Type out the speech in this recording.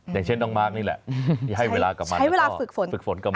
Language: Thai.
อย่างเช่นน้องมาร์คนี่แหละให้เวลากับมันแล้วก็ฝึกฝนกับมัน